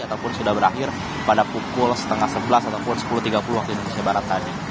ataupun sudah berakhir pada pukul setengah sebelas ataupun sepuluh tiga puluh waktu indonesia barat tadi